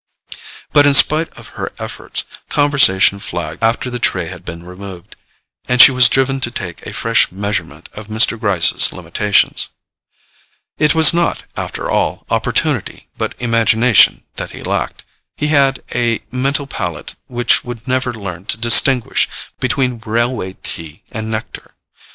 But in spite of her efforts, conversation flagged after the tray had been removed, and she was driven to take a fresh measurement of Mr. Gryce's limitations. It was not, after all, opportunity but imagination that he lacked: he had a mental palate which would never learn to distinguish between railway tea and nectar.